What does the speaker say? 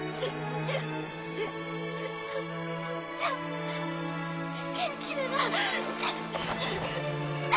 じゃあ元気でな。